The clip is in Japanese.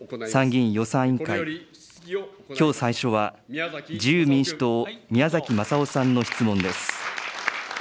参議院予算委員会、きょう最初は、自由民主党、宮崎雅夫さんの質問です。